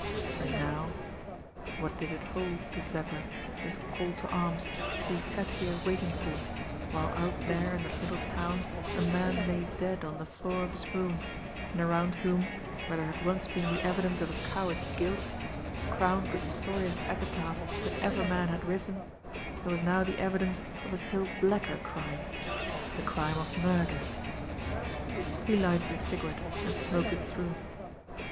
And now what did it hold, this letter, this "call to arms" that he sat here waiting for, while out there in that little town a man lay dead on the floor of his room, and around whom, where there had once been the evidence of a coward's guilt, crowned with the sorriest epitaph that ever man had written, there was now the evidence of a still blacker crime the crime of murder. He lighted a cigarette and smoked it through.